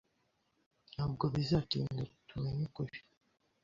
Ntabwo bizatinda tumenya ukuri.